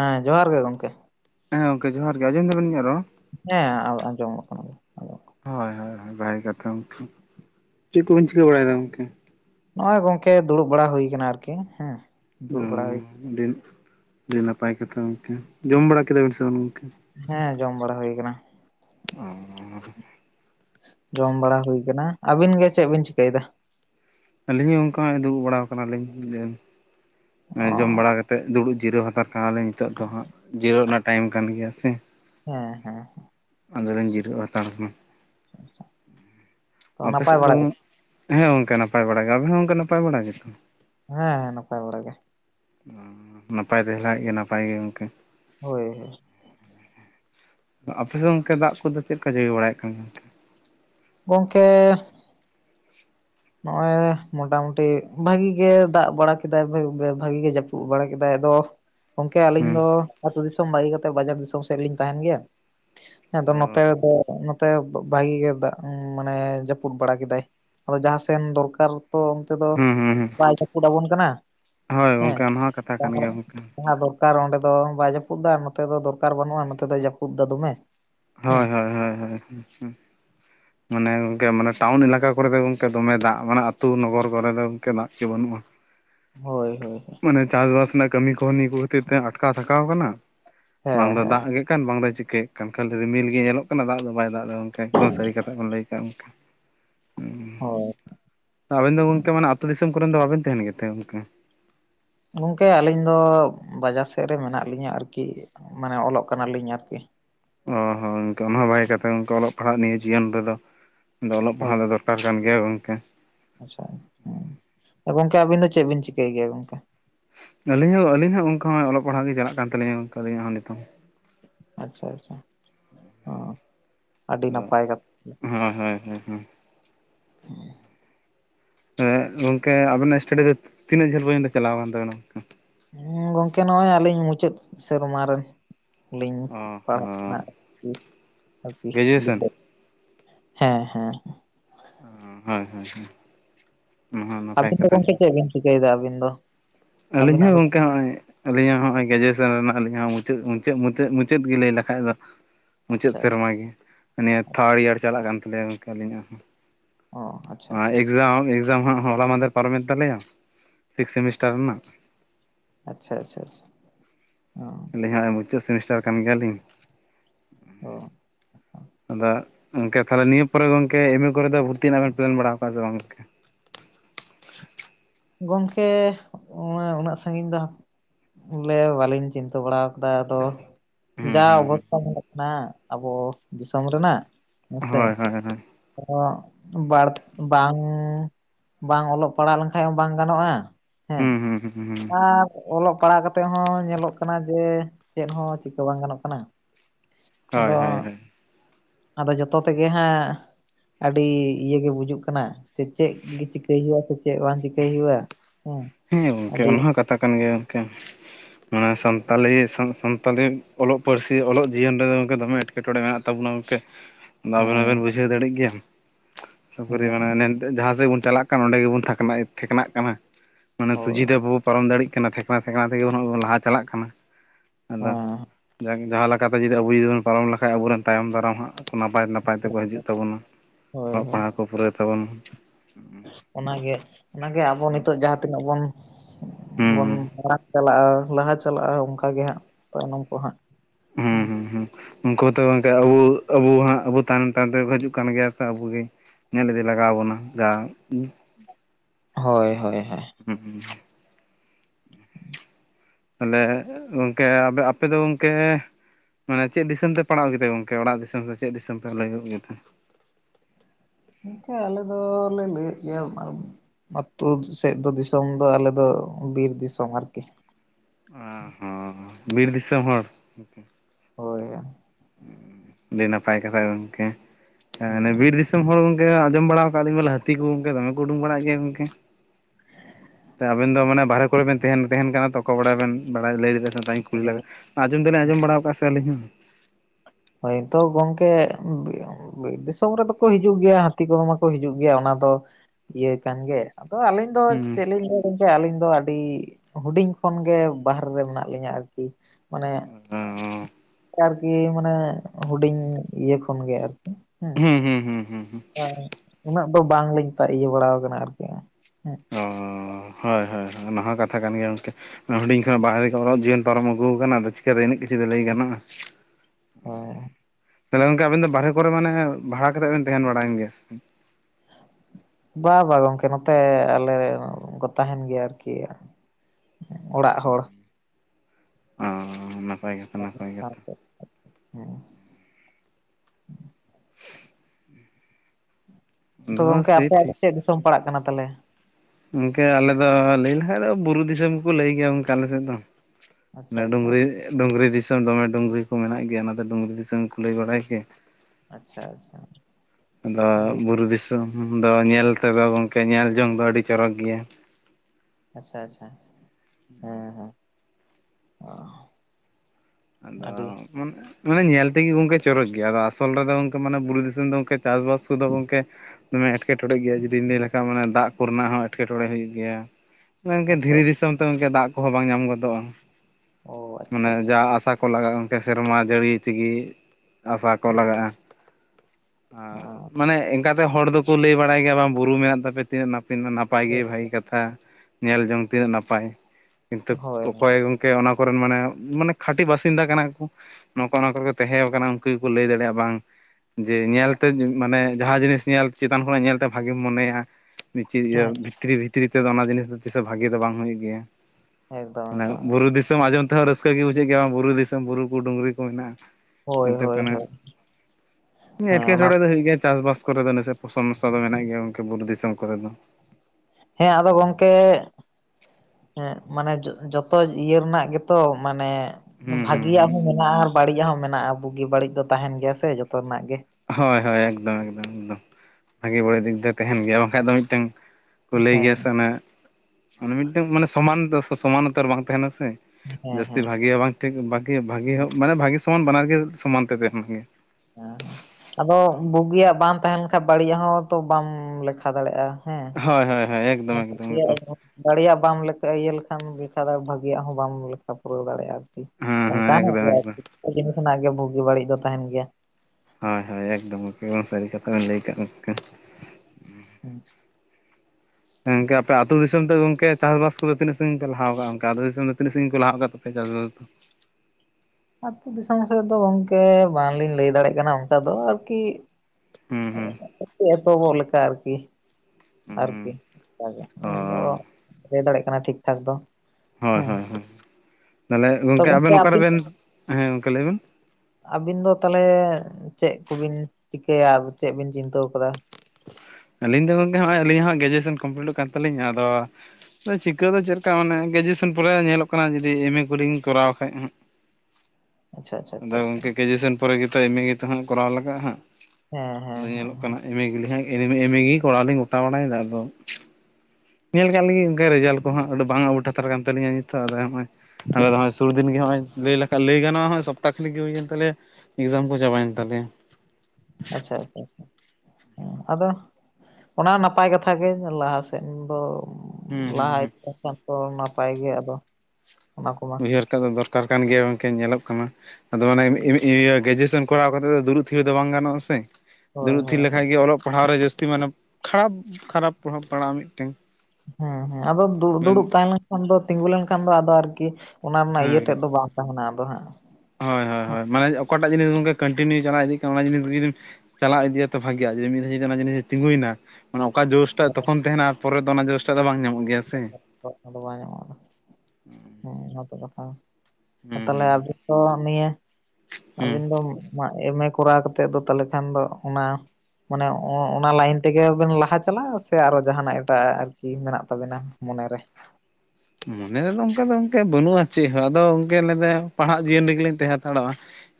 ᱦᱮᱸ ᱡᱚᱦᱟᱨ ᱜᱮ ᱜᱚᱝᱠᱮ ᱾ ᱦᱮᱸ ᱜᱚᱝᱠᱮ ᱡᱚᱦᱟᱨ ᱜᱮ ᱟᱸᱡᱚᱭᱚᱱ ᱫᱚ ᱢᱮᱱᱮᱱᱤᱡᱼᱟ ᱨᱚᱲ? ᱦᱮᱸ ᱟᱸ ᱟᱸᱡᱚᱢᱚᱜ ᱠᱟᱱᱟ ᱟᱸᱡᱚᱢᱚᱜ ᱠᱟᱱᱟ᱾ ᱦᱳᱭ ᱦᱳᱭ ᱦᱭ ᱵᱷᱟᱜᱤ ᱠᱟᱛᱷᱟ ᱜᱚᱢᱠᱮ, ᱪᱮᱫ ᱠᱚᱵᱤᱱ ᱪᱤᱠᱟᱹ ᱵᱟᱲᱟᱭᱮᱫᱟ ᱜᱚᱢᱠᱮ? ᱱᱚᱜ ᱚᱭ ᱜᱚᱝᱠᱮ ᱫᱩᱲᱩᱵ ᱵᱟᱲᱟ ᱦᱳᱭ ᱠᱟᱱᱟ ᱟᱨᱠᱤ, ᱦᱮᱸ ᱚ ᱫᱩᱲᱩᱵ ᱵᱟᱲᱟ ᱦᱩ ᱟᱹᱰᱤ, ᱟᱹᱰᱤ ᱱᱟᱯᱟᱭ ᱠᱟᱛᱷᱟ ᱜᱚᱢᱠᱮ ᱡᱚᱢ ᱵᱟᱲᱟ ᱠᱮᱫᱟᱵᱤᱱ ᱥᱮ ᱵᱟᱝ ᱜᱚᱝᱠᱮ? ᱦᱮᱸ, ᱡᱚᱢ ᱵᱟᱲᱟ ᱦᱳᱭ ᱟᱠᱟᱱᱟ ᱾ ᱟᱸ ᱾ ᱡᱚᱢ ᱵᱟᱲᱟ ᱦᱩᱭ ᱠᱟᱱᱟ, ᱟᱵᱤᱱ ᱜᱮ ᱪᱮᱫ ᱵᱤᱱ ᱪᱤᱠᱟᱹᱭᱮᱫᱟ? ᱟᱹᱞᱤᱧ ᱦᱚᱸ ᱚᱱᱠᱟ ᱫᱩᱲᱩᱵ ᱵᱟᱲᱟ ᱟᱠᱟᱱᱟᱞᱤᱧ ᱡᱮ ᱾ ᱚ ᱦᱮᱸ, ᱡᱚᱢ ᱵᱟᱲᱟ ᱠᱟᱛᱮᱜ ᱫᱩᱲᱩᱵ ᱡᱤᱨᱟᱹᱣ ᱦᱟᱛᱟᱲ ᱠᱟᱱᱟᱞᱤᱧ ᱱᱤᱛᱚᱜ ᱫᱚ ᱦᱟᱸᱜ ᱡᱤᱨᱟᱹᱣ ᱨᱮᱱᱟᱜ ᱴᱟᱭᱤᱢ ᱠᱟᱱ ᱜᱮᱭᱟ ᱥᱮ ᱦᱮᱸ ᱦᱮᱸ ᱾ ᱟᱞᱮᱨᱮᱱ ᱡᱤᱨᱟᱹᱜ ᱦᱟᱛᱟᱲ ᱠᱟᱱᱟ, ᱛᱚ ᱟᱯᱮ ᱱᱟᱯᱟᱭ ᱥᱮᱫ ᱵᱟᱲᱟ ᱫᱚ? ᱜᱮ ᱦᱮᱸ ᱜᱚᱢᱮᱠ ᱱᱟᱯᱟᱭ ᱵᱟᱲᱟ ᱜᱮ, ᱟᱵᱤᱱ ᱦᱚᱸ ᱚᱱᱠᱟ ᱱᱟᱯᱟᱭ ᱵᱟᱲᱟ ᱜᱮ? ᱦᱮᱸ ᱦᱮᱸᱱᱟᱯᱟᱭ ᱵᱟᱲᱟ ᱜᱮ ᱾ ᱟᱸ-ᱟᱸ, ᱱᱟᱯᱟᱭ ᱛᱟᱦᱮᱸ ᱞᱮᱱ ᱠᱷᱟ ᱱᱟᱯᱟᱭ ᱜᱮ ᱜᱚᱝᱠᱮ ᱾ ᱦᱳᱭᱭ-ᱥᱩᱸᱡ ᱾ ᱟᱯᱮ ᱥᱮᱫ ᱚᱱᱠᱟ ᱫᱟᱜ ᱠᱚᱫᱚ ᱪᱮᱫᱞᱮᱠᱟ ᱡᱟᱹᱲᱤ ᱵᱟᱲᱟᱭᱮᱫ ᱠᱟᱱ ᱜᱮᱭ? ᱜᱚᱝ-ᱠᱮᱻ ᱾ ᱱᱚᱜᱼ ᱚᱚᱭ ᱢᱚᱴᱟᱢᱩᱴᱤ ᱵᱷᱟᱜᱤ ᱜᱮ ᱫᱟᱜ ᱵᱟᱲᱟ ᱠᱮᱫᱟᱭ ᱵᱮ-ᱵᱟ ᱵᱷᱟᱜᱤ ᱜᱮ ᱡᱟᱹᱯᱩᱫ ᱵᱟᱲᱟ ᱠᱮᱫᱟᱭ ᱟᱫᱚ ᱜᱚᱢᱠᱮ ᱟᱹᱞᱤᱧ ᱦᱩᱸ ᱫᱚ ᱟᱹᱛᱩ ᱫᱤᱥᱚᱢ ᱵᱟᱹᱜᱤ ᱠᱟᱛᱮ ᱵᱟᱡᱟᱨ ᱫᱤᱥᱚᱢ ᱥᱮᱫ ᱞᱤᱧ ᱛᱟᱦᱮᱱ ᱜᱮᱭᱟ ᱾ ᱴᱷᱮᱭᱚᱜ, ᱟᱫᱚ ᱚ ᱱᱚᱛᱮ ᱨᱮᱠᱚ ᱱᱚᱛ ᱛᱮ ᱵᱷᱟᱜᱤ ᱜᱮ ᱫᱟᱜ ᱢᱟᱱᱮ ᱡᱟᱹᱯᱩᱫ ᱵᱟᱲᱟ ᱠᱮᱫᱟᱭ ᱟᱫᱚ ᱡᱟᱦᱟᱸᱥᱮᱱ ᱫᱚᱨᱠᱟᱨ ᱛᱚ ᱛᱮ ᱫᱚ ᱦᱩᱸ ᱦᱩᱸ ᱦᱩᱸ ᱵᱟᱭ ᱡᱟᱹᱯᱤᱫ ᱟᱵᱚᱱ ᱠᱟᱱᱟ ᱦᱳᱭ ᱦᱮᱸ ᱜᱚᱝᱠᱮ ᱚᱱᱟ ᱦᱚᱸ ᱠᱟᱛᱷᱟ ᱠᱟᱱ ᱜᱮᱭᱟ ᱟᱫᱚ ᱜᱚᱝᱠᱮ ᱡᱟᱦᱟᱸ ᱫᱚ ᱟᱨ ᱚᱸᱰᱮ ᱫᱚ ᱵᱟᱭ ᱡᱟᱹᱯᱩᱫᱫᱟ ᱟᱨ ᱱᱚᱛᱮ ᱫᱚ ᱫᱚᱨᱠᱟᱨ ᱵᱟᱹᱱᱩᱜᱼᱟ ᱱᱚᱛᱮ ᱫᱚ ᱡᱟᱹᱯᱩᱫ ᱮᱫᱟ ᱫᱚᱢᱮ ᱾ ᱦᱚᱭ -ᱦᱚᱭ -ᱦᱚᱭ, ᱩᱸᱦ-ᱩᱸᱦ ᱾ [inaudible] ᱢᱟᱱᱮ ᱜᱚᱝᱠᱮ ᱢᱟᱱᱮ ᱥᱟᱣᱩᱱᱰ ᱮᱞᱟᱠᱟ ᱠᱚᱨᱮ ᱫᱚ ᱜᱚᱝᱠᱮ ᱫᱚᱢᱮ ᱫᱟᱜ ᱢᱟᱱᱮ ᱟᱹᱛᱩ ᱱᱚᱚᱜᱚᱨ ᱠᱚᱨᱮ ᱫᱚ ᱜᱚᱢᱠᱮ ᱫᱟᱜ ᱜᱮ ᱵᱟᱹᱱᱩᱜᱼᱟ ᱾ ᱦᱳᱭ ᱦᱳᱭ ᱦᱮ ᱾ ᱢᱟᱱᱮ ᱪᱟᱥᱵᱟᱥ ᱨᱮᱱᱟᱜ ᱠᱟᱹᱢᱤ ᱠᱚ ᱱᱤᱭᱟ ᱠᱚ ᱠᱷᱟᱹᱛᱤᱨ ᱛᱮ ᱟᱴᱠᱟᱣ ᱛᱷᱟᱠᱟᱣ ᱟᱠᱟᱱᱟ ᱾ ᱦᱮᱸ ᱵᱟᱝ ᱫᱚ ᱦᱮᱸ ᱫᱟᱜ ᱜᱮ ᱠᱟᱱ ᱵᱟᱝ ᱫᱚ ᱪᱤᱠᱟᱹᱭ? ᱠᱷᱟᱹᱞᱤ ᱨᱤᱢᱤᱞ ᱜᱮ ᱧᱮᱞᱚᱜ ᱠᱟᱱᱟ ᱫᱟᱜ ᱫᱚ ᱵᱟᱭ ᱫᱟᱜ ᱮᱫᱟ ᱜᱚᱢᱠᱮ ᱮᱠᱫᱚᱢ ᱥᱟᱹᱨᱤ ᱠᱟᱛᱷᱟ ᱜᱮᱢ ᱞᱟᱹᱭ ᱠᱟᱜ ᱟ ᱚᱱᱠᱟ ᱾ ᱦᱳᱭ ᱚᱸ ᱟᱵᱮᱱ ᱫᱚ ᱜᱚᱝᱠᱮ ᱢᱟᱱᱮ ᱟᱹᱛᱩᱳ ᱫᱤᱥᱚᱢ ᱠᱚᱨᱮᱱ ᱫᱚ ᱵᱟᱵᱮᱱ ᱛᱟᱦᱮᱱ ᱜᱮᱛᱮ ᱚᱱᱠᱟ? ᱜᱚᱝᱠᱮ ᱟᱹᱞᱤᱧ ᱫᱚ ᱵᱟᱡᱟᱨ ᱥᱮᱫ ᱨᱮ ᱢᱮᱱᱟᱜ ᱞᱤᱧᱟᱹ ᱟᱨᱠᱤ ᱢᱟᱱᱮ ᱚᱞᱚᱜ ᱠᱟᱱᱟᱞᱤᱧ ᱟᱨᱠᱤ ᱾ ᱚ- ᱦᱚ ᱤᱱᱟᱹ ᱚᱱᱟᱫᱚ ᱵᱷᱟᱜᱮ ᱠᱟᱛᱷᱟ, ᱚᱞᱚᱜ ᱯᱟᱲᱦᱟᱜ ᱱᱤᱭᱟᱹ ᱡᱤᱭᱚᱱ ᱨᱮᱫᱚᱫᱚ ᱚᱞᱚᱜ ᱯᱟᱲᱦᱟᱜ ᱫᱚ ᱫᱚᱨᱠᱟᱨ ᱠᱟᱱ ᱮ ᱜᱚᱝᱠᱮ? ᱟ-ᱪᱷᱟ ᱢᱩᱸ, ᱮ ᱜᱚᱝᱠᱮ, ᱟᱵᱤᱱ ᱫᱚ ᱪᱮᱫ ᱵᱤᱱ ᱪᱤᱠᱟᱹᱭ ᱜᱮᱭᱟ ᱜᱚᱝᱠᱮ? ᱟᱹᱞᱤᱧ ᱦᱚᱸ ᱟᱹᱞᱤᱧ ᱦᱚᱸ ᱚᱱᱠᱟ ᱦᱚᱸᱜ-ᱚᱸᱭ ᱚᱞᱚᱜ ᱯᱟᱲᱦᱟᱜ ᱜᱮ ᱪᱟᱞᱟᱜ ᱠᱟᱱ ᱛᱟᱹᱞᱤᱧᱟᱹ ᱚᱱᱠᱟ ᱜᱮ ᱡᱟᱦᱟᱸ ᱞᱮᱠᱟ ᱾ ᱟᱪᱪᱷᱟ ᱟᱪᱪᱷᱟ ᱚ ᱾ ᱦᱮᱹᱞᱳ ᱦᱚ ᱦᱳᱭ ᱦᱳᱭ ᱦᱮᱸ ᱾ ᱮᱸᱜ, ᱜᱚᱝᱠᱮ ᱟᱵᱮᱱᱟᱜ ᱥᱴᱟᱰᱤ ᱫᱚ ᱛᱤᱱᱟᱹᱜ ᱡᱷᱟᱹᱞ ᱯᱚᱡ-ᱡᱚᱱᱛᱚ ᱪᱟᱞᱟᱣ ᱟᱠᱟᱱ ᱛᱟᱵᱮᱱᱟ ᱾ ᱚᱸ ᱜᱚᱝᱠᱮ ᱱᱚᱜᱼᱚᱭ ᱟᱹᱞᱤᱧ ᱢᱩᱪᱟᱹᱫ ᱥᱮᱨᱢᱟ ᱨᱮ ᱾ ᱞᱤᱧ ᱚ ᱯᱟᱲᱦᱟᱜ ᱠᱟᱱᱟ ᱦᱚᱸ ᱟᱨᱠᱤ ᱟᱨᱠᱤ ᱜᱨᱮᱡᱩᱭᱮᱥᱚᱱ ᱵᱤᱫᱽᱫᱟᱹ ᱾ [inaudible] ᱦᱮᱸ ᱦᱮᱸ ᱦᱮ ᱾ ᱟᱸᱻᱦᱳᱭ ᱦᱳᱭ ᱾ ᱟᱹᱵᱤᱱ ᱫᱚ ᱜᱚᱝᱠᱮ ᱪᱮᱫ ᱵᱤᱱ ᱪᱤᱠᱟᱹᱭᱫᱟ ᱟᱹᱵᱤᱱ ᱫᱚ? ᱟᱹᱞᱤᱧ ᱟᱹᱵᱤᱱᱟᱜ ᱫᱚ ᱦᱚᱸ ᱜᱚᱝᱠᱮ ᱱᱚᱜᱼᱚᱭ ᱟᱹᱞᱤᱧ ᱦᱚᱸ ᱦᱚᱸᱜᱼᱚᱭ ᱜᱨᱮᱡᱩᱭᱮᱥᱚᱱ ᱨᱮᱱᱟᱜ ᱟᱹᱞᱤᱧ ᱦᱚᱸ ᱢᱩᱪᱟᱹᱫ ᱢᱩᱪᱟᱹᱫ ᱢᱩᱪᱟᱹ ᱢᱩᱪᱟᱹᱫ ᱜᱮ ᱞᱟᱹᱭ ᱞᱮᱠᱷᱟᱡ ᱫᱚ᱾ ᱢᱩᱪᱟᱹᱫ ᱟᱪᱪᱷᱟ ᱟᱪᱪᱷᱟ ᱥᱮᱨᱢᱟ ᱜᱮ ᱱᱤᱭᱟᱹ ᱟᱪᱪᱷᱟ ᱛᱷᱟᱨᱰ ᱤᱭᱟᱨ ᱪᱟᱞᱟᱜ ᱠᱟᱱ ᱛᱟᱞᱮᱭᱟ ᱜᱚᱢᱠᱮ ᱟᱹᱞᱤᱧᱟᱜ ᱦᱚᱸ᱾ ᱚ ᱟᱪ ᱟᱨ ᱮᱠᱡᱟᱢ ᱮᱠᱡᱟᱢ ᱦᱟᱸᱜ ᱦᱚ ᱦᱚᱞᱟ ᱢᱟᱫᱷᱮᱨ ᱯᱟᱨᱢᱮᱱ ᱛᱟᱞᱮᱭᱟ ᱥᱤᱠᱥ ᱥᱮᱢᱤᱥᱴᱟᱨ ᱨᱮᱱᱟᱜ᱾ ᱟᱪᱪᱷᱟ ᱟᱪᱪᱷᱟ ᱟᱪᱪᱷᱟ ᱚ᱾ ᱟᱹᱞᱤᱧ ᱦᱟᱸᱜ ᱢᱩᱪᱟᱹᱫ ᱥᱮᱢᱤᱥᱴᱟᱨ ᱠᱟᱱ ᱜᱮᱭᱟᱞᱤᱧ᱾ ᱚ ᱟᱪᱪᱷᱟ᱾ ᱟᱫᱚ ᱜᱚᱢᱠᱮ ᱛᱟᱦᱚᱞᱮ ᱱᱤᱭᱟᱹ ᱯᱚᱨᱮ ᱜᱚᱝᱠᱮ ᱮᱢᱮ ᱠᱚᱨᱮ ᱫᱚ ᱵᱷᱚᱨᱛᱤ ᱨᱮᱱᱟᱜ ᱵᱮᱱ ᱯᱞᱮᱱ ᱵᱟᱲᱟᱣ ᱠᱟᱜᱼᱟ ᱥᱮ ᱵᱟᱝ ᱜᱚᱝᱠᱮ? ᱜᱚᱢᱠᱮ ᱩᱱᱟ ᱩᱱᱟᱹᱜ ᱥᱟᱺᱜᱤᱧ ᱫᱚ ᱵᱚᱞᱮ ᱵᱟᱹᱞᱤᱧ ᱪᱤᱱᱛᱟᱹ ᱵᱟᱲᱟ ᱠᱟᱫᱟ ᱟᱫᱚ ᱡᱟ ᱦᱩᱸ ᱦᱩᱸ ᱦᱩᱸ ᱚᱵᱚᱥᱛᱟ ᱧᱮᱞᱚᱜ ᱠᱟᱱᱟ ᱟᱵᱚ ᱫᱤᱥᱚᱢ ᱨᱮᱱᱟᱜ ᱦᱮᱸᱥᱮ? ᱦᱮᱸ ᱦᱮᱸ᱾ ᱟᱫᱚ ᱵᱟᱲ ᱵᱟᱝ ᱵᱟᱝ ᱚᱞᱚᱜ ᱯᱟᱲᱦᱟᱜ ᱞᱮᱱᱠᱷᱟᱡ ᱦᱚᱸ ᱵᱟᱝ ᱜᱟᱱᱚᱜᱼᱟ᱾ ᱦᱮᱸ ᱦᱩᱸ ᱦᱩᱸ ᱦᱩᱸ ᱟᱨ ᱚᱞᱚᱜ ᱯᱟᱲᱦᱟᱣ ᱠᱟᱛᱮ ᱦᱚᱸ ᱧᱮᱞᱚᱜ ᱠᱟᱱᱟ ᱡᱮ ᱪᱮᱫ ᱦᱚᱸ ᱪᱤᱠᱟᱹ ᱵᱟᱝ ᱜᱟᱱᱚᱜ ᱠᱟᱱᱟ, ᱟᱫᱚ ᱦᱳᱭ ᱦᱳᱭ ᱦᱳᱭ ᱟᱫᱚ ᱡᱷᱚᱛᱚ ᱛᱮᱜᱮ ᱦᱟᱸᱜ ᱟᱹᱰᱤ ᱤᱭᱮ ᱵᱩᱡᱩᱜ ᱠᱟᱱᱟ, ᱥᱮ ᱪᱮᱫ ᱜᱮ ᱪᱤᱠᱟᱹᱭ ᱦᱩᱭᱩᱜᱼᱟ, ᱥᱮ ᱪᱮᱫ ᱵᱟᱝ ᱪᱤᱠᱟᱹᱭ ᱦᱩᱭᱩᱜᱼᱟ᱾ ᱦᱮᱸ ᱜᱚᱝᱠᱮ ᱟᱹᱰᱤ ᱚᱱᱟᱦᱚᱸ ᱠᱟᱛᱷᱟ ᱠᱟᱱ ᱜᱮᱭᱟ ᱜᱚᱝᱠᱮ᱾ ᱢᱟᱱᱮ ᱥᱟᱱᱛᱟᱞᱤ ᱥᱟᱱᱛᱟᱞᱤ ᱚᱞᱚᱜ ᱯᱟᱹᱨᱥᱤ ᱚᱞᱚᱜ ᱡᱤᱭᱚᱱ ᱨᱮᱫᱚ ᱜᱚᱝᱠᱮ ᱫᱚᱢᱮ ᱮᱸᱴ ᱠᱮᱴᱚᱬᱮ ᱢᱮᱱᱟᱜ ᱛᱟᱵᱚᱱᱟ ᱜᱚᱢᱠᱮ, ᱦᱮᱸ ᱵᱟᱵᱮᱱ ᱵᱩᱡᱷᱟᱹᱣ ᱫᱟᱲᱮᱜ ᱜᱮᱭᱟ᱾ ᱦᱮᱸ ᱛᱟᱯᱚᱨᱮ ᱢᱟᱱᱮ ᱡᱟᱦᱟᱸ ᱥᱮᱫ ᱵᱚᱱ ᱪᱟᱞᱟᱜ ᱠᱟᱱ ᱚᱸᱰᱮ ᱜᱮᱵᱚᱱ ᱛᱷᱟᱠᱱᱟ ᱛᱷᱮᱠᱱᱟᱜ ᱠᱟᱱᱟ᱾ ᱢᱟᱱᱮ ᱦᱳᱭ ᱥᱩᱡᱷᱤᱛᱮ ᱵᱟᱵᱚᱱ ᱯᱟᱨᱚᱢ ᱫᱟᱲᱮᱭᱟᱜ ᱠᱟᱱᱟ ᱛᱷᱮᱠᱱᱟ ᱛᱦᱮᱠᱱᱟ ᱛᱮᱜᱮ ᱞᱟᱦᱟ ᱪᱟᱞᱟᱜ ᱠᱟᱱᱟ᱾ ᱟᱫᱚ ᱦᱮᱸ ᱦᱟᱜᱮ ᱡᱟᱦᱟᱸ ᱞᱮᱠᱟᱛᱮ ᱡᱩᱫᱤ ᱟᱵᱚ ᱡᱩᱫᱤ ᱵᱚᱱ ᱯᱟᱨᱚᱢ ᱞᱮᱠᱷᱟᱡ ᱟᱵᱚᱮᱱ ᱛᱟᱭᱚᱢ ᱫᱟᱨᱟᱢ ᱦᱟᱸᱜ ᱱᱟᱯᱟᱭ ᱱᱟᱯᱟᱭ ᱛᱮᱠᱚ ᱦᱤᱡᱩᱜ ᱛᱟᱵᱚᱱᱟ, ᱦᱳᱭ ᱚᱞᱚᱜ ᱦᱳᱭ ᱯᱟᱲᱦᱟᱜ ᱠᱚ ᱯᱩᱨᱟᱹᱣ ᱛᱟᱵᱱᱟ᱾ ᱚᱱᱟᱜᱮ ᱚᱱᱟᱜᱮ ᱟᱵᱚ ᱱᱤᱛᱚᱜ ᱡᱟᱦᱟᱸᱛᱤᱱᱟᱹᱜ ᱵᱚᱱ ᱵᱚᱱ ᱦᱩᱸ [unintelligible] ᱪᱟᱞᱟᱜᱼᱟ, ᱞᱟᱦᱟ ᱪᱟᱞᱟᱜᱼᱟ ᱚᱱᱠᱟ ᱜᱮ ᱦᱟᱸᱜ ᱛᱟᱭᱱᱚᱢ ᱠᱚ ᱦᱟᱸᱜ᱾ ᱦᱩᱸ ᱦᱩᱸ ᱦᱩᱸᱜ᱾ ᱩᱱᱠᱩ ᱦᱚᱛᱚ ᱜᱚᱝᱠᱮ ᱟᱵᱚ ᱟᱵᱚ ᱦᱟᱸᱜ ᱟᱵᱚ ᱛᱟᱭᱱᱚᱢ ᱛᱟᱭᱚᱢ ᱛᱮᱠᱚ ᱦᱤᱡᱩᱜ ᱠᱟᱱ ᱜᱮᱭᱟ ᱛᱚ ᱟᱵᱩᱜᱮ ᱧᱮᱞ ᱤᱫᱤ ᱞᱟᱜᱟᱣ ᱵᱚᱱᱟ, ᱡᱟ ᱦᱳᱭ ᱦᱳᱭ ᱦᱳᱭ᱾ [inaudible] ᱛᱟᱦᱚᱞᱮ ᱜᱚᱝᱠᱮ ᱟᱯᱮ ᱟᱯᱮ ᱫᱚ ᱜᱚᱢᱠᱮ ᱢᱟᱱᱮ ᱪᱮᱫ ᱫᱤᱥᱚᱢ ᱯᱮ ᱯᱟᱲᱟᱜ ᱠᱮᱫᱟ ᱜᱚᱝᱠᱮ ᱚᱲᱟᱜ ᱫᱤᱥᱚᱢ ᱥᱮ ᱪᱮᱫ ᱫᱤᱥᱚᱢ ᱯᱮ ᱞᱟᱹᱭᱚᱜ ᱜᱮᱭᱟ? ᱱᱚᱝᱠᱟ ᱟᱞᱮ ᱫᱚ ᱞᱮ ᱞᱟᱹᱭᱮᱫ ᱜᱮᱭᱟ ᱟᱹᱛᱩ ᱥᱮᱫ ᱫᱚ ᱫᱤᱥᱚᱢ ᱫᱚ ᱟᱞᱮ ᱫᱚ ᱵᱤᱨ ᱫᱤᱥᱚᱢ ᱟᱨᱠᱤ᱾ ᱚ ᱦᱚᱸ ᱵᱤᱨ ᱫᱤᱥᱚᱢ ᱦᱚᱲ? ᱴᱷ ᱜᱮ [inaudible] ᱦᱳᱭ᱾ ᱟᱹᱰᱤ ᱱᱟᱯᱟᱭ ᱠᱟᱛᱷᱟ ᱜᱚᱝᱠᱮ ᱦᱮᱸ ᱚᱱᱮ ᱵᱤᱨ ᱫᱤ ᱥᱚᱢ ᱦᱚᱲ ᱜᱚᱝᱠᱮ ᱟᱸᱡᱚᱢ ᱵᱟᱲᱟ ᱠᱟᱜᱞᱤᱧ ᱵᱚᱞᱮ ᱦᱟᱹᱛᱤ ᱠᱚ ᱜᱟᱢᱠᱮ ᱫᱚᱢᱮ ᱠᱚ ᱩᱰᱩ ᱵᱟᱲ ᱜᱮᱭᱟ ᱜᱚᱝᱠᱮ? ᱛᱚ ᱟᱵᱮᱱ ᱫᱚ ᱢᱟᱱᱮ ᱵᱟᱦᱮᱨᱮ ᱠᱚᱨᱮᱵᱮᱱ ᱛᱟᱸᱦᱮᱱ ᱛᱟᱸᱦᱮᱱ ᱠᱟᱱᱟ ᱛᱚᱠᱚ ᱵᱟᱲᱟᱭ ᱵᱮᱱ ᱵᱟᱲᱟᱭ ᱞᱟᱹᱭ ᱞᱮᱫᱟ ᱛᱚ [unintelligible] ᱠᱩᱞᱤ ᱞᱟᱜᱟ ᱟᱸᱡᱚᱢ ᱫᱚᱞᱤᱧ ᱟᱸᱚᱢ ᱵᱟᱲᱟᱣ ᱠᱟᱜᱼᱟ ᱥᱮ ᱟᱹᱞᱤᱧ ᱦᱚᱸ᱾ ᱦᱳᱭ ᱛᱚ ᱜᱚᱝᱠᱮ ᱱᱩᱭ ᱫᱤᱥᱚᱢ ᱨᱮᱱ ᱫᱚᱠᱚ ᱦᱤᱡᱩᱜ ᱜᱮᱭᱟ ᱦᱟᱹᱛᱤ ᱠᱚᱦᱚ ᱢᱟᱠᱚ ᱦᱤᱡᱩᱜ ᱜᱮᱭᱟ ᱚᱱᱟ ᱫᱚ ᱤᱭᱟᱹ ᱠᱟᱱ ᱜᱮ ᱟᱫᱚ ᱟᱹᱞᱤᱧ ᱫᱚ ᱦᱩᱸ ᱪᱮᱫ ᱞᱤᱧ ᱞᱟᱹᱭ ᱜᱚᱢᱠᱮ ᱟᱹᱞᱤᱧ ᱫᱚ ᱟᱹᱰᱤ ᱦᱩᱰᱤᱧ ᱠᱷᱚᱱᱜᱮ ᱵᱟᱦᱨᱮ ᱨᱮ ᱢᱮᱱᱟᱜ ᱞᱤᱧᱟᱹ ᱟᱨᱠᱤ ᱚᱱᱮ ᱚᱸᱻ ᱟᱨᱠᱤ ᱢᱟᱱᱮ ᱦᱩᱰᱤᱧ ᱤᱭᱟᱹ ᱠᱷᱚᱱ ᱜᱮ ᱟᱨ ᱦᱩᱸ ᱦᱩᱸ ᱦᱩᱸ ᱦᱩᱸ ᱦᱩᱸ ᱟᱨ ᱩᱱᱟᱹᱜ ᱫᱚ ᱵᱟᱝᱞᱤᱧ ᱛᱟ ᱤᱭᱟᱹ ᱵᱟᱲᱟᱣ ᱠᱟᱱᱟ ᱟᱨᱠᱤ ᱦᱮᱸ ᱦᱟᱭ ᱦᱟᱭ ᱚᱱᱟ ᱦᱚᱸ ᱠᱟᱛᱷᱟ ᱠᱟᱱ ᱜᱮᱭᱟ ᱜᱚᱝᱠᱮ ᱦᱩᱰᱤᱧ ᱠᱷᱚᱱ ᱵᱟᱦᱨᱮ ᱨᱮᱠᱚ ᱡᱤᱭᱚᱱ ᱯᱟᱨᱚᱢ ᱟᱹᱜᱩ ᱟᱠᱟᱱᱟ ᱟᱫᱚ ᱪᱤᱠᱟᱹᱛᱮ ᱤᱱᱟᱹᱜ ᱠᱤᱪᱷᱩ ᱫᱚ ᱞᱟᱹᱭ ᱜᱟᱱᱚᱜᱼᱟ ᱦᱚ ᱛᱟᱦᱚᱞᱮ ᱜᱚᱝᱠᱮ ᱟᱵᱮᱱ ᱫᱚ ᱵᱟᱦᱨᱮ ᱠᱚᱨᱮ ᱢᱟᱱᱮ ᱵᱷᱟᱲᱟ ᱠᱟᱛᱮᱜ ᱵᱮᱱ ᱛᱟᱦᱮᱱ ᱵᱟᱲᱟᱭᱮᱱ ᱜᱮ ᱵᱟ ᱵᱟ ᱜᱚᱝᱠᱮ ᱱᱚᱛᱮ ᱟᱞᱮ ᱨᱮ ᱠᱚ ᱛᱟᱦᱮᱱ ᱜᱮᱭᱟ ᱟᱨᱠᱤ ᱚᱲᱟᱜ ᱦᱚᱲ᱾ ᱚ ᱱᱟᱯᱟᱭ ᱜᱮ᱾ ᱥᱟᱶᱛᱮ ᱦᱮᱸ ᱛᱚ ᱟᱫᱚ ᱜᱚᱝᱠᱮ ᱥᱮᱭ ᱟᱯᱮᱭᱟᱜ ᱴᱷᱤᱠ ᱪᱮᱫ ᱫᱤᱥᱚᱢ ᱯᱟᱲᱟᱜ ᱠᱟᱱᱟ ᱛᱟᱞᱮ ᱜᱚᱝᱠᱮ ᱟᱞᱮ ᱫᱚ ᱞᱟᱹᱭ ᱞᱮᱠᱷᱟᱜ ᱫᱚ ᱵᱩᱨᱩ ᱫᱤᱥᱚᱢ ᱜᱮᱠᱚ ᱞᱟᱹᱭ ᱜᱮᱭᱟ ᱜᱚᱝᱠᱮ ᱟᱞᱮ ᱥᱮᱫ ᱫᱚ ᱟᱪᱪᱷᱟ ᱟᱱᱮ ᱟᱪᱪᱷᱟ ᱰᱩᱝᱨᱤ ᱰᱩᱝᱨᱤ ᱫᱤᱥᱚᱢ ᱫᱚᱢᱮ ᱰᱩᱝᱨᱤ ᱠᱚ ᱢᱮᱱᱟᱜ ᱜᱮᱭᱟ ᱚᱱᱟᱛᱮ ᱰᱩᱝᱨᱤ ᱫᱤᱥᱚᱢ ᱠᱚ ᱞᱟᱹᱭ ᱵᱟᱲᱟᱭ ᱠᱮ ᱟᱪᱪᱷᱟ ᱟᱪᱪᱷᱟ᱾ ᱟᱫᱚ ᱟᱹᱰᱤ ᱵᱩᱨᱩ ᱫᱤᱥᱚᱢ ᱫᱚ ᱧᱮᱞ ᱛᱮᱫᱚ ᱜᱚᱝᱠᱮ ᱧᱮᱞ ᱡᱚᱝ ᱫᱚ ᱟᱹᱰᱤ ᱪᱚᱨᱚᱠ ᱜᱮᱭᱟ᱾ ᱟᱪᱪᱷᱟ ᱟᱪᱪᱷᱟ ᱦᱮ ᱦᱮ ᱚ ᱟᱫᱚ ᱟᱹᱰᱤ ᱢᱚᱱᱮ ᱢᱟᱱᱮ ᱧᱮᱞ ᱛᱮᱜᱮ ᱜᱚᱝᱠᱮ ᱪᱚᱨᱚᱠ ᱜᱮᱭᱟ ᱟᱫᱚ ᱟᱥᱚᱞ ᱨᱮᱫᱚ ᱜᱚᱝᱠᱮ ᱢᱟᱱᱮ ᱵᱩᱨᱩ ᱫᱤᱥᱚᱢ ᱫᱚ ᱜᱚᱝᱠᱮ ᱪᱟᱥᱵᱟᱥ ᱠᱚᱫᱚ ᱜᱚᱝᱠᱮ᱾ ᱫᱚᱢᱮ ᱮᱴᱠᱮᱴᱚᱬᱮ ᱜᱮᱭᱟ ᱡᱩᱫᱤᱢ ᱞᱟᱹᱭ ᱞᱮᱠᱷᱟᱱᱡ ᱢᱟᱱᱮ ᱫᱟᱜ ᱠᱚ ᱨᱮᱱᱟᱜ ᱦᱚᱸ ᱮᱴᱠᱮᱴᱚᱬᱮ ᱦᱩᱭᱩᱜ ᱜᱮᱭᱟ ᱢᱟᱱᱮ ᱜᱚᱝᱠᱮ ᱟᱪᱪᱷᱟ ᱫᱷᱤᱨᱤ ᱫᱤᱥᱚᱢ ᱛᱚ ᱜᱚᱝᱠᱮ ᱫᱟᱜ ᱠᱚᱦᱚᱸ ᱵᱟᱝ ᱧᱟᱢ ᱜᱚᱫᱚᱜᱼᱟ ᱚ ᱢᱟᱱᱮ ᱟᱪᱪᱷᱟ ᱟᱪᱪᱷᱟ ᱡᱟ ᱟᱥ ᱥᱟ ᱠᱚ ᱞᱟᱜᱟᱜᱼᱟ ᱜᱚᱝᱠᱮ ᱥᱮᱨᱢᱟ ᱡᱟᱹᱲᱤ ᱛᱤᱜᱤ ᱟᱥᱟ ᱠᱚ ᱞᱟᱜᱟᱜᱼᱟ ᱢᱟᱱᱮ ᱮᱱᱠᱟᱛᱮ ᱦᱚᱲ ᱫᱚᱠᱚ ᱞᱟᱹᱭ ᱵᱟᱲᱟᱭ ᱜᱮᱭᱟ ᱵᱟᱝ ᱵᱩᱨᱩ ᱢᱮᱱᱟᱜ ᱛᱟᱯᱮ ᱛᱤᱱᱟᱹᱜ ᱱᱟᱯᱮ ᱱᱟᱯᱟᱭ ᱜᱮ ᱵᱷᱟᱜᱤ ᱠᱟᱛᱷᱟ ᱧᱮᱞ ᱡᱚᱝ ᱛᱤᱱᱟᱹᱜ ᱱᱟᱯᱟᱭ ᱠᱤᱱᱛᱩ ᱦᱳᱭ ᱠᱩᱠᱚᱭ ᱜᱚ ᱠᱮ ᱚᱱᱟ ᱠᱚᱨᱮᱱ ᱢᱟᱱᱮ ᱢᱟᱱᱮ ᱠᱷᱟᱴ ᱴᱤ ᱵᱟᱥᱤᱱᱫᱟ ᱠᱟᱱᱟ ᱠᱚ ᱱᱚᱠᱚ ᱚᱱᱟ ᱠᱚᱨᱮ ᱠᱚ ᱛᱮᱦᱮᱸ ᱠᱟᱱᱟ ᱩᱱᱠᱩ ᱜᱮᱠᱚ ᱞᱟᱹᱭ ᱫᱟᱲᱮᱭᱟᱜᱼᱟ ᱵᱟᱝ ᱡᱮ ᱧᱮᱞᱛᱮ ᱢᱟᱱᱮ ᱡᱟᱦᱟ ᱡᱤᱱᱤᱥ ᱧᱮᱞ ᱪᱮᱛᱟᱱ ᱠᱷᱚᱱᱟᱜ ᱧᱮᱞᱛᱮ ᱵᱷᱟᱜᱤᱢ ᱢᱚᱱᱮᱭᱟ ᱪᱤ ᱭᱟᱹ ᱦᱮᱸ ᱵᱷᱤᱛᱨᱤ ᱵᱷᱤᱛᱨᱤ ᱛᱮᱫᱚ ᱚᱱᱟ ᱡᱤᱱᱤᱥ ᱫᱚ ᱛᱤᱥ ᱦᱚᱸ ᱵᱷᱟᱹᱜᱤ ᱫᱚ ᱵᱟᱝ ᱦᱩᱭᱩᱜ ᱜᱮᱭᱟ ᱮᱠᱫᱚᱢ ᱚᱱᱟ ᱮᱠᱫᱚᱢ ᱵᱩᱨᱩ ᱮᱠᱫᱚᱢ ᱫᱤᱥᱚᱢ ᱟᱸᱡᱚᱢ ᱛᱮᱦᱚᱸ ᱨᱟᱹᱥᱠᱟᱹ ᱜᱮ ᱵᱩᱡᱷᱟᱹᱜ ᱜᱮᱭᱟ ᱵᱟᱝ ᱵᱩᱨᱩ ᱫᱤᱥᱚᱢ ᱵᱩᱨᱩ ᱠᱚ ᱰᱩᱝᱨᱤ ᱠᱚ ᱦᱮᱱᱟᱜ ᱟ ᱦᱳᱭ ᱚᱱᱛᱮ ᱦᱳᱭ ᱯᱮᱱᱮ ᱦᱳᱭ ᱦᱮᱸ ᱚᱱᱟ ᱮᱴᱠᱮᱴᱚᱬᱮ ᱫᱚ ᱦᱩᱭᱩᱜ ᱜᱮᱭᱟ ᱪᱟᱥᱵᱟᱥ ᱠᱚᱨᱮ ᱫᱚ ᱱᱟᱥᱮ ᱥᱚᱢᱚᱥᱟ ᱫᱚ ᱢᱮᱱᱟᱜ ᱜᱮᱭᱟ ᱜᱚᱝᱠᱮ ᱵᱩᱨᱩ ᱫᱤᱥᱚᱢ ᱠᱚᱨᱮ ᱫᱚ ᱦᱮᱸ ᱟᱫᱚ ᱜᱚᱢᱠᱮ ᱦᱮᱸ ᱢᱟᱱᱮ ᱡᱚ ᱡᱚᱛᱚ ᱤᱭᱟᱹ ᱨᱮᱱᱟᱜ ᱜᱮᱛᱚ ᱢᱟᱱᱮ ᱦᱩᱸ ᱦᱩᱸ ᱵᱷᱟᱹᱜᱤᱭᱟᱜ ᱦᱩᱸ᱾ ᱦᱚᱸ ᱢᱮᱱᱟᱜᱼᱟ ᱟᱨ ᱵᱟᱹᱲᱤᱡ ᱟᱜ ᱦᱚᱸ ᱢᱮᱱᱟᱜᱼᱟ ᱵᱩᱜᱤ ᱵᱟᱹᱲᱤᱡ ᱫᱚ ᱛᱟᱸᱦᱮᱱ ᱜᱮᱭᱟ ᱥᱮ ᱡᱚᱛᱚ ᱨᱮᱱᱟᱜ ᱜᱮ ᱦᱚᱭ ᱦᱚᱭ ᱮᱠᱫᱚᱢ ᱮᱠᱫᱚᱢ ᱮᱠᱫᱚᱢ ᱵᱷᱟᱜᱮ ᱵᱟᱹᱲᱤᱡ ᱫᱤᱠ ᱫᱚ ᱛᱟᱦᱮᱱ ᱜᱮᱭᱟ ᱵᱟᱝᱠᱷᱟᱡ ᱫᱚ ᱢᱤᱫᱴᱟᱝ ᱠᱚ ᱞᱟᱹᱭ ᱜᱮᱭᱟ ᱦᱮᱸ ᱥᱮ ᱚᱱᱮ ᱚᱱᱮ ᱢᱤᱫᱴᱟᱝ ᱢᱟᱱᱮ ᱥᱚᱢᱟᱱ ᱫᱚᱥ ᱥᱚᱢᱟᱱ ᱩᱛᱟᱨ ᱵᱟᱝ ᱛᱟᱦᱮᱱᱟ ᱥᱮ ᱦᱮᱸ ᱦᱮᱸ ᱡᱟᱹᱥᱛᱤ ᱦᱮᱸ ᱵᱷᱟᱜᱤ ᱦᱚᱸ ᱵᱟᱝ ᱴᱷᱤᱠ ᱵᱷᱟᱹᱜᱤ ᱵᱷᱟᱜᱤ ᱦᱮᱸ ᱦᱚᱸ ᱢᱟᱱᱮ ᱵᱷᱟᱹᱜᱤ ᱥᱚᱢᱟᱱ ᱵᱟᱱᱟᱨ ᱜᱮ ᱥᱚᱢᱟᱱ ᱛᱮ ᱛᱟᱦᱮᱱ ᱜᱮᱭᱟ ᱦᱮᱸ ᱟᱫᱚ ᱵᱩᱜᱤᱭᱟᱜ ᱵᱟᱝ ᱛᱟᱦᱮᱱ ᱠᱷᱟ ᱵᱟᱹᱲᱤᱡᱟᱜ ᱦᱚᱸ ᱛᱚ ᱵᱟᱢ ᱞᱮᱠᱷᱟ ᱫᱟᱲᱮᱜᱼᱟ ᱦᱮᱸ ᱦᱳᱭ ᱦᱳᱭ ᱦᱳᱭ, ᱮᱠᱫᱚᱢ ᱮᱠᱫᱚᱢ [unintelligible] ᱫᱟᱲᱮᱭᱟᱜ ᱵᱟᱢ ᱞᱮᱠᱟ ᱤᱭᱟᱹ ᱞᱮᱠᱷᱟᱱᱠᱷᱟ ᱫᱚ ᱵᱷᱟᱹᱜᱤᱭᱟᱜ ᱦᱚᱸ ᱵᱟᱢ ᱞᱮᱠᱟ ᱯᱩᱨᱟᱹᱣ ᱫᱟᱲᱮᱭᱟᱜ-ᱟ ᱟᱨ ᱦᱩᱸ, ᱦᱮᱸ ᱦᱮᱸ ᱚᱱᱠᱟᱱᱟᱜ ᱜᱮ ᱮᱠᱫᱚᱢ ᱮᱠᱫᱚᱢ᱾ ᱟᱨᱠᱤ, ᱟᱹᱰᱤᱞᱮᱠᱟᱱᱟᱜ ᱜᱮ ᱵᱩᱜᱤ ᱵᱟᱹᱲᱤᱡ ᱫᱚ ᱛᱟᱸᱦᱮᱱ ᱜᱮᱭᱟ᱾ ᱦᱳᱭ ᱦᱳᱭ ᱮᱠᱫᱚᱢ ᱱᱚᱣᱟ ᱥᱟᱹᱨᱤ ᱠᱟᱛᱷᱟ ᱵᱮᱱ ᱞᱟᱹᱭᱠᱟᱜ ᱜᱚᱝᱠᱮ᱾ ᱦᱩᱸ᱾ ᱜᱚᱝᱠᱮ ᱟᱯᱮ ᱟᱹᱛᱩ ᱫᱤᱥᱚᱢ ᱛᱚ ᱜᱚᱝᱠᱮ ᱪᱟᱥᱵᱟᱥ ᱠᱚᱫᱚ ᱛᱤᱱᱟᱹᱜ ᱥᱟᱜᱤᱧ ᱯᱮ ᱞᱟᱦᱟᱣᱟᱠᱟᱜ-ᱟ ᱚᱝᱠᱟ ᱟᱛᱩ ᱫᱤᱥᱚᱢ ᱫᱚ ᱛᱤᱱᱟᱹᱜ ᱥᱟᱜᱤᱧ ᱠᱩ ᱞᱟᱦᱟ ᱟᱠᱟᱜ-ᱟ? [unintelligible] ᱫᱚ ᱟᱹᱛᱩ ᱫᱤᱥᱚᱢ ᱥᱮᱫ ᱫᱚ ᱜᱚᱝᱠᱮ ᱵᱟᱝᱞᱤᱧ ᱞᱟᱹᱭ ᱫᱟᱲᱮᱭᱟᱜ ᱠᱟᱱᱟ ᱚᱝᱠᱟ ᱫᱚ ᱟᱨᱠᱤ ᱦᱩᱸ ᱦᱩᱸ᱾ ᱮᱫ ᱮᱛᱚᱵᱚᱜ ᱞᱮᱠᱟ ᱟᱨᱠᱤ, ᱟᱨᱠᱤ ᱦᱩᱸ ᱚᱱᱠᱟᱜᱮ ᱚ ᱟᱫᱚ ᱞᱟᱹᱭ ᱫᱟᱲᱮᱭᱟᱜ ᱠᱟᱱᱟ ᱴᱷᱤᱠ ᱴᱷᱟᱠ ᱫᱚ ᱦᱳᱭ ᱦᱮᱸ ᱦᱳᱭ ᱦᱳᱭ, ᱛᱚᱵᱮ ᱛᱚ ᱜᱚᱝᱠᱮ ᱟᱵᱮᱱ ᱚᱠᱟᱨᱮ ᱟᱹᱵᱤᱱ ᱵᱮᱱ, ᱦᱮᱸ ᱜᱚᱝᱠᱮ ᱞᱟᱹᱭ ᱵᱮᱱ᱾ ᱟᱵᱤᱱ ᱫᱚ ᱛᱟᱦᱚᱞᱮ ᱪᱮᱫ ᱠᱚᱵᱤᱱ ᱪᱤᱠᱟᱹᱭᱟ ᱟᱫᱚ ᱪᱮᱫ ᱵᱤᱱ ᱪᱤᱱᱛᱟᱹᱣ ᱠᱟᱫᱟ? ᱟᱹᱞᱤᱧ ᱫᱚ ᱜᱚᱢᱠᱮ ᱦᱚᱸᱜ-ᱚᱭ ᱟᱹᱞᱤᱧ ᱦᱚᱸ ᱜᱨᱮᱡᱩᱭᱮᱥᱚᱱ ᱠᱚᱢᱯᱞᱤᱴᱚᱜ ᱠᱟᱱ ᱛᱟᱹᱞᱤᱧᱟ᱾ ᱟᱫᱚ ᱪᱤᱠᱟᱹ ᱫᱚ ᱪᱮᱫᱞᱮᱠᱟ ᱢᱟᱱᱮ ᱜᱨᱮᱡᱩᱭᱮᱥᱚᱱ ᱯᱚᱨᱮ ᱧᱮᱞᱚᱜ ᱠᱟᱱᱟ ᱡᱩᱫᱤ ᱮᱢ ᱮ ᱠᱚᱨᱮᱧ ᱠᱚᱨᱟᱣ ᱠᱷᱟᱡ ᱦᱟᱸᱜ᱾ [inaudible] ᱟᱫᱚ ᱟᱪᱪᱷᱟ ᱟᱪᱪᱷᱟ ᱜᱚᱝᱠᱮ ᱜᱨᱮᱡᱩᱭᱮᱥᱚᱱ ᱯᱚᱨᱮ ᱜᱮᱛᱚ ᱮᱢ ᱮ ᱜᱮᱛᱚ ᱦᱟᱸᱜ ᱠᱚᱨᱟᱣ ᱞᱟᱜᱟᱜ-ᱟ ᱦᱟᱸᱜ᱾ ᱦᱮᱸ ᱦᱮᱸ ᱟᱫᱚ ᱦᱮᱸ ᱧᱮᱞᱚᱜ ᱦᱮᱸ ᱠᱟᱱᱟ ᱮᱢ ᱮ ᱜᱮᱞᱤᱧ ᱦᱟᱸᱜ ᱮᱢ ᱮ ᱜᱮ ᱠᱚᱲᱟᱣ ᱞᱤᱧ ᱜᱚᱴᱟ ᱵᱟᱲᱟᱭᱮᱫᱟ ᱟᱫᱚ᱾ ᱧᱮᱞ ᱠᱟᱜ ᱞᱮ ᱜᱤᱧ ᱚᱱᱠᱟ ᱨᱮᱡᱟᱞᱴ ᱠᱚᱦᱚᱸ ᱟᱫᱚ ᱵᱟᱝ ᱟᱣᱩᱴ ᱦᱟᱛᱟᱨ ᱠᱟᱱ ᱛᱟᱞᱤᱧᱟ ᱱᱤᱛ ᱦᱚᱸ ᱟᱫᱚ ᱦᱚᱸᱜ-ᱚᱭ ᱟᱞᱮ ᱫᱚ ᱥᱩᱨ ᱫᱤᱱ ᱜᱮ ᱦᱚᱸᱜ-ᱚᱭ ᱞᱟᱹᱭ ᱞᱮᱠᱷᱟᱱ ᱞᱟᱹᱭ ᱜᱟᱱᱚᱜ-ᱟ ᱦᱚᱸᱜ-ᱚᱭ ᱥᱚᱯᱛᱟ ᱠᱷᱟᱱᱮᱠ ᱜᱮ ᱦᱩᱭᱮᱱ ᱛᱟᱞᱮᱭᱟ᱾ ᱮᱠᱡᱟᱢ ᱠᱚ ᱪᱟᱵᱟᱭᱮᱱ ᱛᱟᱞᱮᱭᱟ᱾ ᱟᱪᱪᱷᱟ ᱟᱪᱪᱷᱟ ᱟᱪᱪᱷᱟ᱾ ᱟᱫᱚ ᱚᱱᱟ ᱱᱟᱯᱟᱭ ᱠᱟᱛᱷᱟ ᱜᱮ ᱞᱟᱦᱟ ᱥᱮᱫ ᱫᱚ᱾ ᱦᱩᱸ ᱦᱩᱸ ᱞᱟᱦᱟᱭᱮᱫ ᱦᱩᱸ ᱠᱷᱟᱱ ᱛᱚ ᱱᱟᱯᱟᱭ ᱜᱮ ᱟᱫᱚ ᱚᱱᱟ ᱠᱚ᱾ ᱩᱭᱦᱟᱹᱨ ᱠᱟᱜ ᱫᱚ ᱫᱚᱨᱠᱟᱨ ᱠᱟᱱ ᱜᱮᱭᱟ ᱜᱚᱝᱠᱮ ᱧᱮᱞᱚᱜ ᱠᱟᱱᱟ᱾ ᱟᱫᱚ ᱢᱟᱱᱮ ᱤᱭᱟᱹ ᱜᱨᱮᱡᱩᱭᱮᱥᱚᱱ ᱠᱚᱨᱟᱣ ᱠᱟᱛᱮ ᱫᱚ ᱫᱩᱨᱩᱵ ᱛᱷᱤᱨ ᱫᱚ ᱵᱟᱝ ᱜᱟᱱᱚᱜ-ᱟ ᱥᱮ᱾ ᱦᱳᱭ ᱫᱩᱲᱩᱵ ᱛᱷᱤᱨ ᱦᱳᱭ ᱦᱳᱭ ᱞᱮᱠᱷᱟᱡ ᱜᱮ ᱚᱞᱚᱜ ᱯᱟᱲᱦᱟᱣ ᱨᱮ ᱡᱟᱹᱥᱛᱤ ᱢᱟᱱᱮ ᱠᱷᱟᱲᱟᱯ ᱠᱷᱟᱨᱟᱯ ᱯᱨᱚᱵᱷᱟᱵ ᱯᱟᱲᱟᱜ-ᱟ ᱢᱤᱫᱴᱟᱹᱝ᱾ ᱦᱩᱸ ᱦᱩᱸ, ᱟᱫᱚ ᱫᱩᱲᱩᱵ ᱫᱩᱲᱩᱵ ᱛᱟᱦᱮᱸᱞᱮᱱᱠᱷᱟᱱ ᱫᱚ ᱛᱤᱸᱜᱩ ᱞᱮᱱᱠᱷᱟᱱ ᱫᱚ ᱟᱫᱚ ᱟᱨᱠᱤ ᱚᱱᱟ ᱨᱮᱱᱟᱜ ᱤᱭᱟᱹᱛᱮᱫ ᱦᱮᱸ ᱫᱚ ᱵᱟᱝ ᱛᱟᱸᱦᱮᱱᱟ ᱟᱫᱚ ᱦᱟᱸᱜ᱾ ᱦᱳᱭ ᱦᱳᱭ ᱦᱮᱸ ᱦᱳᱭ, ᱢᱟᱱᱮ ᱚᱠᱟᱴᱟᱜ ᱡᱤᱱᱤᱥ ᱜᱚᱝᱠᱮ ᱠᱚᱱᱴᱤᱱᱤᱭᱩ ᱪᱟᱞᱟᱣ ᱤᱫᱤᱜ ᱠᱟᱱᱟ ᱚᱱᱟ ᱡᱤᱱᱤᱥ ᱡᱩᱫᱤ ᱪᱟᱞᱟᱣ ᱤᱫᱤᱜ-ᱟ ᱛᱚ ᱵᱷᱟᱜᱤᱜ-ᱟ, ᱟᱨ ᱡᱩᱫᱤ ᱢᱤᱫ ᱫᱷᱟᱣ ᱡᱩᱫᱤ ᱛᱤᱸᱜᱩᱭᱮᱱᱟ ᱢᱟᱱᱮ ᱚᱠᱟ ᱡᱳᱥ ᱛᱚ, ᱛᱚᱠᱷᱚᱱ ᱛᱟᱸᱦᱮᱱᱟ ᱟᱨ ᱯᱚᱨᱮ ᱫᱚ ᱚᱱᱟ ᱡᱚᱥᱴᱟᱜ ᱫᱚ ᱵᱟᱝ ᱧᱟᱢᱚᱜ ᱜᱮᱭᱟ ᱥᱮ᱾ [unintelligible] ᱠᱚᱫᱚ ᱵᱟᱭ ᱧᱟᱢᱚᱜ-ᱟ, ᱦᱮᱸ ᱚᱱᱟ ᱛᱚ ᱠᱟᱛᱷᱟ᱾ ᱟᱨ ᱛᱟᱞᱦᱮ ᱦᱩᱸ ᱡᱚᱛᱚ ᱱᱤᱭᱮ ᱦᱩᱸ ᱟᱵᱤᱱ ᱫᱚ ᱢᱟ ᱮᱢ ᱮ ᱠᱚᱨᱟᱣ ᱠᱟᱛᱮᱫ ᱫᱚ ᱛᱟᱞᱦᱮ ᱠᱷᱟᱱ ᱫᱚ ᱚᱱᱟ ᱢᱟᱱᱮ ᱚ-ᱚᱱᱟ ᱞᱟᱭᱤᱱ ᱛᱮᱜᱮ ᱵᱮᱱ ᱞᱟᱦᱟ ᱪᱟᱞᱟᱜ-ᱟ ᱥᱮ ᱟᱨᱚ ᱡᱟᱸᱦᱟᱱᱟᱜ ᱮᱴᱟᱜ ᱟᱜ ᱟᱨᱠᱤ ᱢᱮᱱᱟᱜ? ᱛᱟᱵᱮᱱᱟ ᱢᱚᱱᱮ ᱨᱮ? ᱢᱚᱱᱮ ᱨᱮᱫᱚ ᱚᱝᱠᱟ ᱫᱚ ᱜᱚᱝᱠᱮ ᱵᱟᱹᱱᱩᱜ-ᱟ ᱪᱮᱫ ᱦᱚᱸ ᱟᱫᱚ ᱜᱚᱝᱠᱮ ᱢᱮᱱᱫᱚ ᱯᱟᱲᱦᱟᱜ ᱡᱤᱭᱚᱱ ᱨᱮᱜᱮ ᱞᱤᱧ ᱛᱟᱦᱮᱸ ᱦᱟᱛᱟᱲᱚᱜ-ᱟ᱾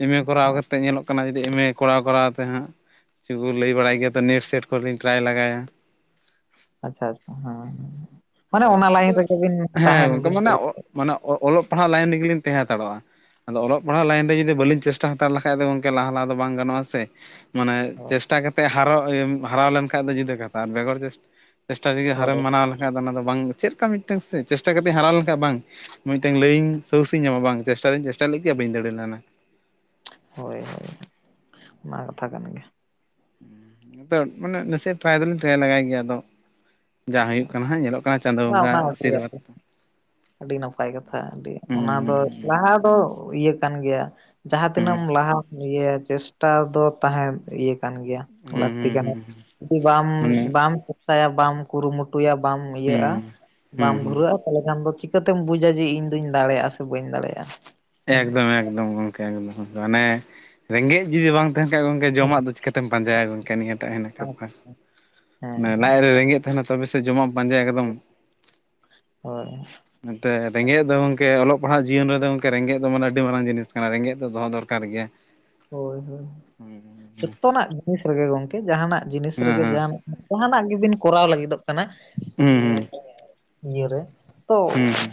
ᱮᱢ ᱮ ᱠᱚᱨᱟᱣ ᱠᱟᱛᱮᱫ ᱧᱮᱞᱚᱜ ᱠᱟᱱᱟ ᱡᱩᱫᱤ ᱮᱢ ᱮ ᱠᱚᱨᱟᱣ ᱠᱚᱨᱟᱣ ᱛᱮ ᱦᱟᱸᱜ, ᱪᱮᱫ ᱠᱚ ᱞᱟᱹᱭ ᱵᱟᱲᱟᱭ ᱜᱮᱭᱟ ᱛᱚ ᱱᱮᱴ ᱥᱮᱴ ᱠᱚ ᱞᱤᱧ ᱴᱨᱟᱭ ᱞᱮᱜᱟᱭᱟ᱾ ᱟᱪᱪᱷᱟ ᱟᱪᱪᱷᱟ ᱦᱮᱸ, ᱢᱟᱱᱮ ᱟᱫᱚ ᱚᱱᱟ ᱟᱫᱚ ᱞᱟᱭᱤᱱ ᱨᱮᱜᱮ ᱵᱤᱱ ᱦᱮᱸ ᱛᱟᱦᱮᱱ ᱜᱚᱝᱠᱮ ᱵᱤᱱ ᱢᱟᱱᱮ ᱠᱩᱨᱩ ᱢᱟᱱᱮ ᱚ-ᱚᱞᱚᱜ ᱯᱟᱲᱦᱟᱜ ᱞᱟᱭᱤᱱ ᱨᱮᱜᱮ ᱞᱤᱧ ᱛᱟᱦᱮᱸ ᱦᱟᱛᱟᱲᱚᱜ-ᱟ᱾ ᱟᱫᱚ ᱚᱞᱚᱜ ᱯᱟᱲᱦᱟᱜ ᱞᱟᱭᱤᱱ ᱨᱮ ᱡᱩᱫᱤ ᱵᱟᱹᱞᱤᱧ ᱪᱮᱥᱴᱟ ᱦᱟᱛᱟᱲ ᱞᱮᱠᱷᱟᱡ ᱫᱚ ᱜᱚᱝᱠᱮ ᱞᱟᱦᱟ ᱞᱟᱦᱟ ᱫᱚ ᱵᱟᱝ ᱜᱟᱱᱚᱜ-ᱟ ᱥᱮ᱾ ᱢᱟᱱᱮ ᱦᱳᱭ ᱪᱮᱥᱴᱟ ᱠᱟᱛᱮᱫ ᱦᱟᱨᱚᱜ ᱤᱭᱟᱹ ᱦᱟᱨᱟᱣ ᱞᱮᱱ ᱠᱷᱟᱱ ᱫᱚ ᱡᱩᱫᱟᱹ ᱠᱟᱛᱷᱟ ᱟᱨ ᱵᱮᱜᱚᱨ ᱪᱮᱥᱴᱟ ᱪᱮᱥᱴᱟ ᱡᱩᱫᱤ ᱦᱟᱨᱮᱢ ᱦᱳᱭ ᱢᱟᱱᱟᱣ ᱞᱮᱠᱷᱟᱱ ᱫᱚ ᱚᱱᱟ ᱫᱚ ᱵᱟᱝ, ᱪᱮᱫ ᱞᱮᱠᱟ ᱢᱤᱫᱴᱟᱝ ᱪᱮᱥᱴᱟ ᱠᱟᱛᱮᱫ ᱦᱟᱨᱟᱣ ᱞᱮᱱᱠᱷᱟᱱ ᱵᱟᱝ᱾ ᱢᱤᱫᱴᱟᱹᱝ ᱞᱟᱹᱭᱤᱧ ᱥᱳᱨᱥᱤᱧ ᱧᱟᱢᱟ ᱵᱟᱝ, ᱪᱮᱥᱴᱟ ᱫᱚᱧ ᱪᱮᱥᱴᱟ ᱞᱮᱫ ᱜᱮᱭᱟ ᱵᱟᱹᱧ ᱫᱟᱲᱮ ᱞᱮᱱᱟ᱾ ᱦᱚᱭ ᱦᱚᱭ ᱚᱱᱟ ᱦᱚᱸ ᱠᱟᱛᱷᱟ ᱠᱟᱱ ᱜᱮᱭᱟ᱾ ᱱᱤᱛᱚᱜ ᱢᱟᱱᱮ ᱱᱟᱥᱮ ᱴᱨᱟᱭ ᱫᱚᱞᱤᱧ ᱴᱨᱟᱭ ᱞᱟᱜᱟᱭ ᱜᱮᱭᱟ ᱟᱫᱚᱼᱼ ᱡᱟ ᱟᱪᱪᱷᱟ ᱦᱩᱭᱩᱜ ᱠᱟᱱᱟ ᱦᱟᱸᱜ ᱧᱮᱞᱚᱜ ᱠᱟᱱᱟ ᱪᱟᱸᱫᱳ ᱟᱪᱪᱷᱟ ᱵᱚᱸᱜᱟ ᱚᱱᱟ ᱟᱹᱰᱤ ᱟᱥᱤᱨᱵᱟᱫᱽᱼᱼ ᱟᱹᱰᱤ ᱱᱟᱯᱟᱭ ᱠᱟᱛᱷᱟ ᱟᱹᱰᱤ ᱦᱩᱸ ᱚᱱᱟ ᱫᱚ ᱦᱩᱸ ᱞᱟᱦᱟ ᱫᱚ ᱤᱭᱟᱹ ᱠᱟᱱ ᱜᱮᱭᱟᱼᱼ ᱡᱟᱦᱟᱸ ᱛᱤᱱᱟᱹᱜ ᱮᱢ ᱞᱟᱦᱟ ᱤᱭᱟᱹ ᱪᱮᱥᱴᱟ ᱫᱚ ᱛᱟᱦᱮᱸᱱ ᱤᱭᱟᱹᱼᱼ ᱠᱟᱱ ᱜᱮᱭᱟ ᱦᱩᱸ ᱞᱟᱠᱛᱤ ᱦᱩᱸ ᱠᱟᱱᱟ ᱦᱩᱸ ᱦᱩᱸ ᱡᱩᱫᱤ ᱵᱟᱢ ᱢᱟᱱᱮ ᱵᱟᱢ ᱪᱮᱥᱴᱟᱭᱟ ᱵᱟᱢ ᱠᱩᱨᱩᱢᱩᱴᱩᱭᱟᱼᱼ ᱴᱩᱭᱟ ᱵᱟᱢ ᱤᱭᱟᱹᱜ-ᱟ ᱦᱩᱸ ᱵᱟᱢ ᱦᱩᱸ ᱦᱩᱸ ᱫᱷᱩᱨᱟᱹᱜ-ᱟᱼᱼ ᱛᱟᱦᱚᱞᱮ ᱠᱷᱟᱱ ᱫᱚ ᱪᱤᱠᱟᱹᱛᱮᱢ ᱵᱩᱡᱟ ᱡᱮ ᱤᱧ ᱫᱩᱧ ᱫᱟᱲᱮᱭᱟᱜ-ᱟ ᱥᱮ ᱵᱟᱹᱧ ᱫᱟᱲᱮᱭᱟᱜ-ᱟ᱾ ᱮᱠᱫᱚᱢ-ᱮᱠᱫᱚᱢ ᱜᱚᱝᱠᱮ ᱮᱠᱫᱚᱢ ᱢᱟᱱᱮ ᱨᱮᱸᱜᱮᱡ ᱡᱩᱫᱤ ᱵᱟᱝᱼᱼ ᱛᱟᱦᱮᱱ ᱠᱷᱟᱡ ᱜᱚᱝᱠᱮ ᱡᱚᱢᱟᱜ ᱫᱚ ᱪᱤᱠᱟᱹᱛᱮᱢ ᱯᱟᱸᱡᱟᱭᱟ ᱜᱚᱝᱠᱮ ᱱᱤᱭᱟᱹ ᱴᱟᱜ ᱦᱩᱭᱱᱟ ᱠᱟᱛᱷᱟ᱾ ᱦᱮᱸ ᱢᱟᱱᱮ ᱦᱮᱸ ᱞᱟᱡ ᱨᱮ ᱨᱮᱸᱜᱮᱡ ᱛᱟᱦᱮᱸᱱᱟ ᱛᱚᱵᱮ ᱥᱮᱫ ᱡᱚᱢᱟᱜ ᱮᱢ ᱯᱟᱸᱡᱟᱭᱟ ᱮᱠᱫᱚᱢ, ᱦᱳᱭ ᱮᱱᱛᱮᱫ ᱨᱮᱸᱜᱮᱡ ᱫᱚ ᱜᱚᱝᱠᱮ ᱚᱞᱚᱜ ᱯᱟᱲᱦᱟᱜ ᱡᱤᱭᱚᱱ ᱨᱮᱫᱚ ᱜᱚᱝᱠᱮ ᱨᱮᱸᱜᱮᱡ ᱫᱚ ᱢᱟᱱᱮ ᱟᱹᱰᱤ ᱢᱟᱨᱟᱝ ᱡᱤᱱᱤᱥ ᱠᱟᱱᱟ ᱨᱮᱸᱜᱮᱡ ᱫᱚ ᱫᱚᱦᱚ ᱫᱚᱨᱠᱟᱨ ᱜᱮᱭᱟ᱾ ᱦᱳᱭ-ᱦᱳᱭ ᱦᱮᱸ ᱡᱚᱛᱚᱱᱟᱜ ᱡᱤᱱᱤᱥ ᱨᱮᱜᱮ ᱜᱚᱝᱠᱮ ᱡᱟᱦᱟᱸᱱᱟᱜ ᱡᱤᱱᱤᱥ ᱨᱮᱜᱮ ᱦᱮᱸ ᱡᱟᱦᱟᱸᱱᱟᱜᱼᱼ ᱡᱟᱦᱟᱱᱟᱜ ᱜᱮ ᱵᱤᱱ ᱠᱚᱨᱟᱣ ᱞᱟᱹᱜᱤᱫᱚᱜ ᱠᱟᱱᱟ ᱦᱩᱸ ᱱᱤᱭᱟᱹ ᱤᱭᱟᱹᱨᱮ ᱛᱚᱼᱼ ᱦᱩᱸ-ᱦᱩᱸ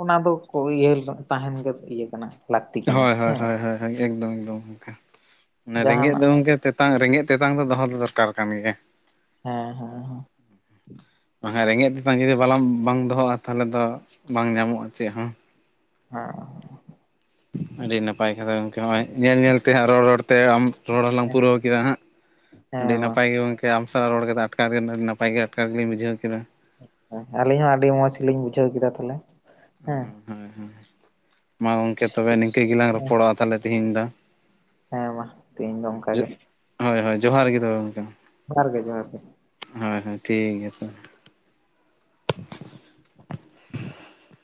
ᱚᱱᱟ ᱫᱚ ᱠᱚ ᱤᱭᱟᱹ ᱛᱟᱦᱮᱸᱱ ᱜᱮ ᱤᱭᱟᱹ ᱠᱟᱱᱟ᱾ ᱞᱟᱹᱠᱛᱤ ᱠᱟᱱᱟ ᱦᱮᱸ ᱦᱳᱭ-ᱦᱳᱭ-ᱦᱳᱭ-ᱦᱳᱭ-ᱦᱳᱭ-ᱦᱳᱭ ᱮᱠᱫᱚᱢ-ᱮᱠᱫᱚᱢ ᱚᱱᱠᱟ ᱚᱱᱟ ᱨᱮᱸᱜᱮᱡ ᱫᱚ ᱡᱟᱦᱟᱱᱟᱜ ᱜᱚᱝᱠᱮ ᱛᱮᱛᱼᱼ ᱛᱮᱛᱟᱝ ᱨᱮᱸᱜᱮᱡ ᱛᱮᱛᱟᱝ ᱫᱚ ᱫᱚᱦᱚ ᱫᱚ ᱫᱚᱨᱠᱟᱨ ᱠᱟᱱ ᱜᱮᱭᱟ᱾ ᱦᱮᱸ-ᱦᱮᱸ-ᱦᱮᱸ ᱚᱱᱟ ᱨᱮᱸᱜᱮᱡ ᱛᱮᱛᱟᱝ ᱡᱩᱫᱤ ᱵᱟᱞᱟᱝ ᱵᱟᱝ ᱫᱚᱦᱚᱜ-ᱟ ᱛᱟᱦᱚᱞᱮ ᱫᱚ ᱵᱟᱝ ᱧᱟᱢᱚᱜ-ᱟ ᱪᱮᱫ ᱦᱚᱸ, ᱦᱮᱸ ᱟᱹᱰᱤ ᱱᱟᱯᱟᱭ ᱠᱟᱛᱷᱟ ᱜᱚᱝᱠᱮ ᱦᱚᱸᱜ-ᱚᱭ ᱧᱮᱞ-ᱧᱮᱞ ᱛᱮᱦᱟᱸᱜ ᱨᱚᱲ-ᱨᱚᱲ ᱛᱮ ᱟᱢᱼᱼ ᱨᱚᱲ ᱦᱚᱞᱟᱝ ᱦᱮᱸ ᱯᱩᱨᱟᱹᱣ ᱠᱮᱫᱟ ᱦᱟᱸᱜ ᱟᱹᱰᱤ ᱦᱮᱸ ᱢᱟ ᱱᱟᱯᱟᱭ ᱜᱮ ᱜᱚᱝᱠᱮᱼᱼ ᱟᱸᱢ ᱥᱟᱸᱣ ᱨᱚᱲ ᱠᱮᱫᱟ ᱟᱴᱠᱟᱨ ᱜᱮ ᱟᱹᱰᱤ ᱱᱟᱯᱟᱭ ᱜᱮ ᱟᱴᱠᱟᱨ ᱜᱮᱞᱤᱧ ᱵᱩᱡᱷᱟᱹᱣ ᱠᱮᱫᱟ᱾ ᱟᱪᱪᱷᱟ ᱟᱹᱞᱤᱧ ᱦᱚᱸ ᱟᱹᱰᱤ ᱢᱚᱸᱡᱽ ᱜᱮᱞᱤᱧ ᱵᱩᱡᱷᱟᱹᱣ ᱠᱮᱫᱟ ᱛᱟᱦᱚᱞᱮ ᱦᱮᱸ, ᱦᱩᱸ ᱦᱩᱸ ᱢᱟ ᱜᱚᱝᱠᱮ ᱛᱚᱵᱮ ᱱᱤᱝᱠᱟᱹ ᱜᱮᱞᱟᱝ ᱨᱚᱯᱚᱲᱚᱜ-ᱟ ᱛᱟᱦᱚᱞᱮ ᱛᱮᱦᱤᱧ ᱫᱚ᱾ ᱦᱮᱸ ᱢᱟ ᱛᱮᱦᱮᱸᱧ ᱫᱚ ᱚᱱᱠᱟ ᱜᱮ, ᱦᱳᱭ-ᱦᱳᱭ ᱡᱚᱦᱟᱨ ᱜᱮ ᱛᱚᱵᱮ ᱜᱚᱝᱠᱮ ᱢᱟ, ᱡᱚᱦᱟᱨ ᱜᱮ ᱡᱚᱦᱟᱨ ᱜᱮ, ᱦᱳᱭ-ᱦᱳᱭ ᱴᱷᱤᱠ ᱜᱮᱭᱟ ᱛᱚᱵᱮ᱾